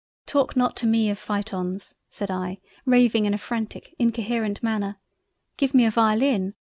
"Talk not to me of Phaetons (said I, raving in a frantic, incoherent manner)—Give me a violin—.